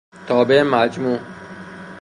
تابع مجموع